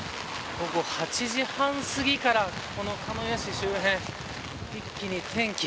午後８時半すぎからこの鹿屋市周辺一気に天気